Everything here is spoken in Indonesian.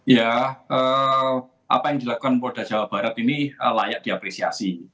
ya apa yang dilakukan polda jawa barat ini layak diapresiasi